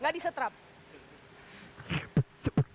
salah nggak apa apa ya